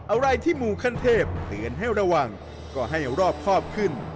อะไรที่หมู่ขั้นเทพเตือนให้ระวังก็ให้รอบครอบขึ้น